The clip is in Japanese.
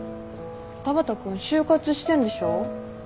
田畑君就活してんでしょ。